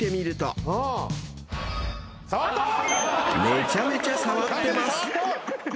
［めちゃめちゃ触ってます］